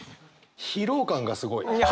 疲労感がすごい。